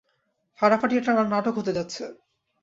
ফাটাফাটি একটা নাটক হতে যাচ্ছে।